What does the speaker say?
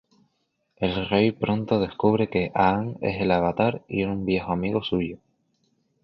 El Rey pronto descubre que Aang es el Avatar y un viejo amigo suyo.